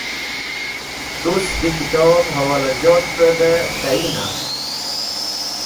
Tus̃h dẽ kitob hẽwolajotvẽ bẽ tayina?